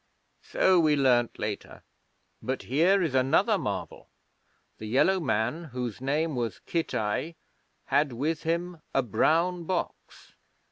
'So we learned later. But here is another marvel. The Yellow Man, whose name was Kitai, had with him a brown box.